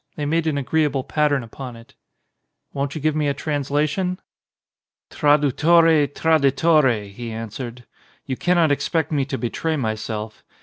They made an agreeable pattern upon it. "Won't you also give me a translation?" "Tradwtore — tradittore," he answered. "You cannot expect me to betray myself.